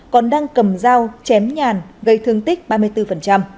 còn đang cầm dao chém nhàn gây thương tích ba mươi bốn